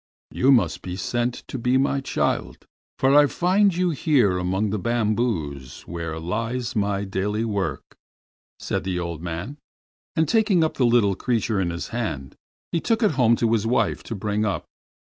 "You must be sent to be my child, for I find you here among the bamboos where lies my daily work," said the old man, and taking the little creature in his hand he took it home to his wife to bring up.